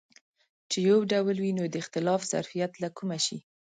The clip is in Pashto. چې یو ډول وي نو د اختلاف ظرفیت له کومه شي.